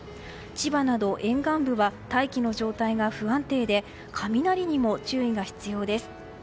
千葉など沿岸部は大気の状態が不安定で雷にも注意が必要です。